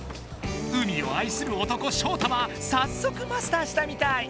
海をあいする男ショウタはさっそくマスターしたみたい。